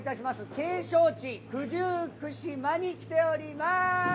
景勝地九十九島に来ております。